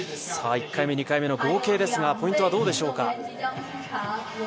１回目、２回目の合計ですが、ポイントはどうでしょうか？